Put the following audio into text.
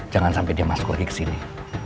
jangan sampe dia masuk lagi kesini